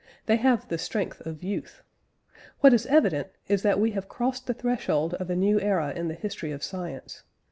They have the strength of youth. What is evident is that we have crossed the threshold of a new era in the history of science.